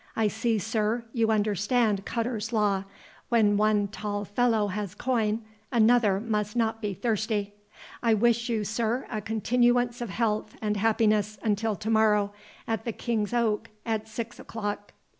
I see, sir, you understand cutter's law—when one tall fellow has coin, another must not be thirsty. I wish you, sir, a continuance of health and happiness until to morrow, at the King's Oak, at six o'clock."